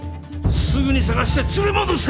すぐに捜して連れ戻せ！